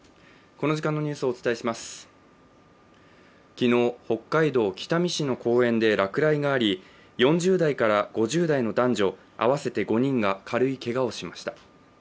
昨日、北海道北見市の公園で落雷があり４０代から５０代の男女合わせて５人が軽いけがをしました。